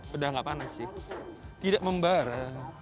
sudah tidak panas sih tidak membara